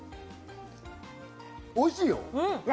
おいしいよ。